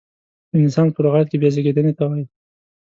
رنسانس په لغت کې بیا زیږیدنې ته وایي.